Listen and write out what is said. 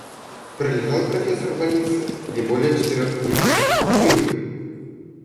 Пролежал профессор в больнице не более четырех дней и умер.